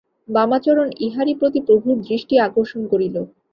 বামাচরণ ইহারই প্রতি প্রভুর দৃষ্টি আকর্ষণ করিল।